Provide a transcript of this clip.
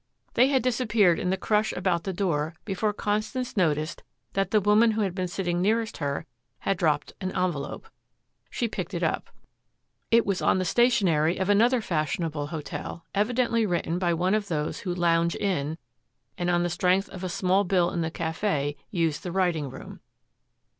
They had disappeared in the crush about the door before Constance noticed that the woman who had been sitting nearest her had dropped an envelope. She picked it up. It was on the stationery of another fashionable hotel, evidently written by one of those who lounge in, and on the strength of a small bill in the cafe use the writing room.